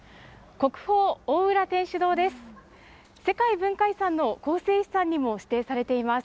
国宝、大浦天主堂です。